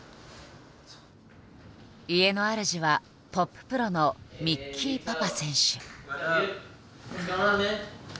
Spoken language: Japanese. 家のあるじはトッププロのミッキー・パパ選手。